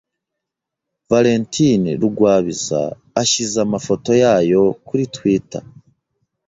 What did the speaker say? Valentine Rugwabiza ashyize amafoto yayo kuri Twitter.